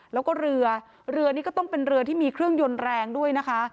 แล้วก็เรือเรือนี้ก็ต้องเป็นเรือที่มีเครื่องยนต์แรงด้วยนะคะ